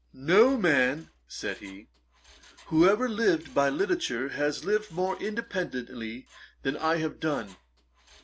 'No man (said he) who ever lived by literature, has lived more independently than I have done.'